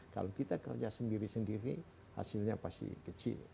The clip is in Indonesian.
kalau kita kerja sendiri sendiri hasilnya pasti kecil